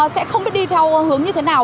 sẽ không biết đi theo hướng như thế nào